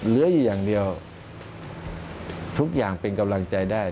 เหลืออยู่อย่างเดียวทุกอย่างเป็นกำลังใจได้